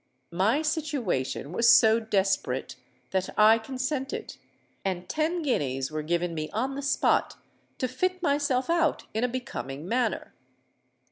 My situation was so desperate that I consented; and ten guineas were given me on the spot to fit myself out in a becoming manner.